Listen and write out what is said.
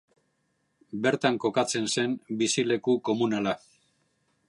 Bertan kokatzen zen bizileku komunala.